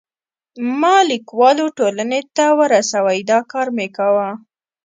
ما لیکوالو ټولنې ته ورسوی، دا کار مې کاوه.